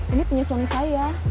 ini punya suami saya